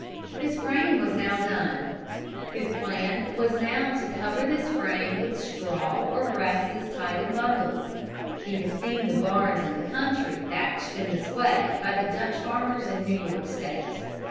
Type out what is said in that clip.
His frame was now done. His plan was now to cover this frame with straw or grasses tied in bundles. He had seen the barns in the country thatched in this way by the Dutch farmers in New York State.